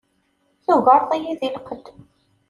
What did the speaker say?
Tugareḍ-iyi deg lqedd.